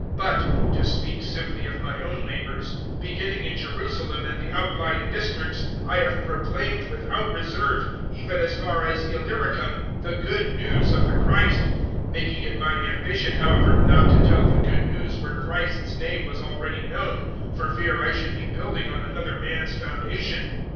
But to speak simply of my own labours beginning in Jerusalem and the outlying districts, I have proclaimed without reserve, even as far as Illyricum, the Good News of the Christ; 015:020 making it my ambition, however, not to tell the Good News where Christ's name was already known, for fear I should be building on another man's foundation.